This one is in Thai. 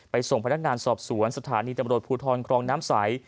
ส่งพนักงานสอบสวนสถานีตำรวจภูทรครองน้ำใส